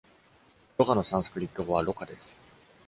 Loga のサンスクリット語は「loka」です。